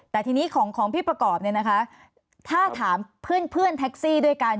แต่ทีนี้ของพี่ประกอบเนี่ยนะคะถ้าถามเพื่อนแท็กซี่ด้วยกัน